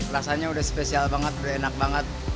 rasanya sudah spesial banget enak banget